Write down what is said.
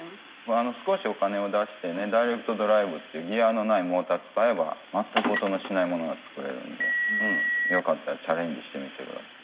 少しお金を出してねダイレクトドライブっていうギアのないモーター使えば全く音のしないものが作れるのでよかったらチャレンジしてみて下さい。